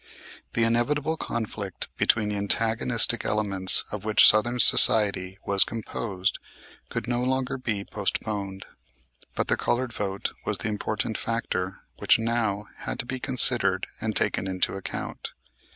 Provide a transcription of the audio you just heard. The inevitable conflict between the antagonistic elements of which Southern society was composed could no longer be postponed. But the colored vote was the important factor which now had to be considered and taken into account.